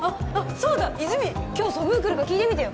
そうだ泉今日ソブー来るか聞いてみてよ